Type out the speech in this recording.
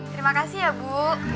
terima kasih ya bu